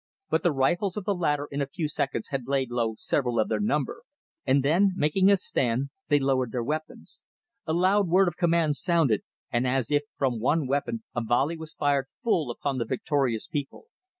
But the rifles of the latter in a few seconds had laid low several of their number, and then, making a stand, they lowered their weapons. A loud word of command sounded, and as if from one weapon a volley was fired full upon the victorious people.